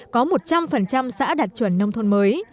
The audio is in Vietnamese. có một trăm linh xã đạt chuẩn nông thôn mới